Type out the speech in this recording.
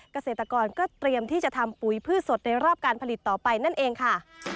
เกษตรกรก็เตรียมที่จะทำปุ๋ยพืชสดในรอบการผลิตต่อไปนั่นเองค่ะ